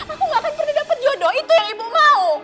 aku gak akan pernah dapat jodoh itu yang ibu mau